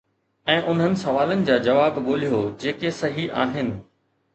۽ انهن سوالن جا جواب ڳوليو جيڪي صحيح آهن